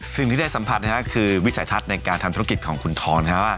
สิ่งที่ได้สัมผัสนะครับคือวิสัยทัศน์ในการทำธุรกิจของคุณทร